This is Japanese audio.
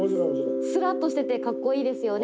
スラッとしててかっこいいですよね。